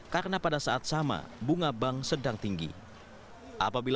karena pada saat sama bunga bank sedang tinggi